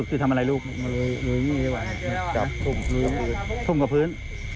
ทุ่มกับพื้น